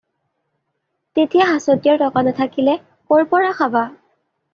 তেতিয়া সাচঁতিয়াৰ টকা নেথাকিলে ক'ৰ পৰা খাবা?